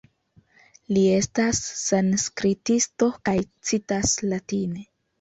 Li estas sanskritisto kaj citas latine.